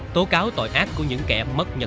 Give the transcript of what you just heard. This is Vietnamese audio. tố cáo tội ác của những kẻ mất nhận